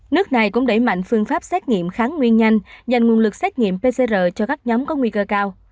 nước này cũng đẩy mạnh phương pháp xét nghiệm kháng nguyên nhanh dành nguồn lực xét nghiệm pcr cho các nhóm có nguy cơ cao